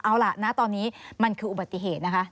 เอาล่ะณตอนนี้มันคืออุบัติเหตุนะคะ